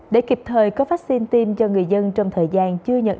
để kịp thời có vaccine tiêm cho người dân trong thời gian chưa nhận